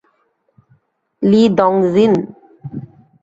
লি Dong জিন?